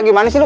gimana sih lu